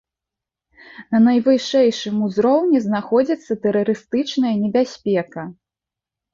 На найвышэйшым узроўні знаходзіцца тэрарыстычная небяспека.